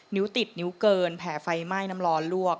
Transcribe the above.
นิ้วติดนิ้วเกินแผลไฟไหม้น้ำร้อนลวก